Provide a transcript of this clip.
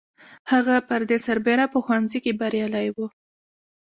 هغه پر دې سربېره په ښوونځي کې بریالی و